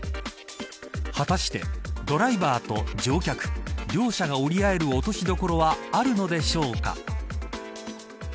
果たして、ドライバーと乗客両者が折り合える落としどころはあるのでしょうか。